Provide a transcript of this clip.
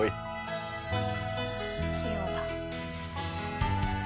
器用だ。